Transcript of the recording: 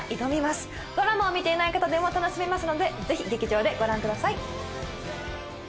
ドラマを見ていない方でも楽しめますのでぜひ劇場でご覧ください。